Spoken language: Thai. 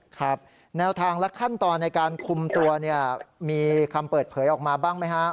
ครับแนวทางและขั้นตอนในการคุมตัวเนี่ยมีคำเปิดเผยออกมาบ้างไหมฮะ